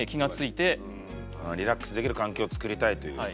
リラックスできる環境をつくりたいという。